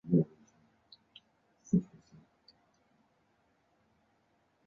协助省水的一项重要措施是做到全面统计。